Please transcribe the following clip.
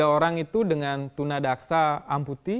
tiga orang itu dengan tunadaksa amputi